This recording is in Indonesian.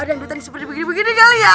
ada yang duterin seperti begini begini kali ya